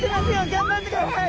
頑張ってください！